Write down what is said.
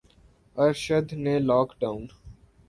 ارشد نے lock down